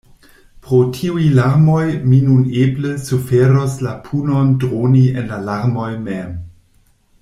“Pro tiuj larmoj mi nun eble suferos la punon droni en la larmoj mem.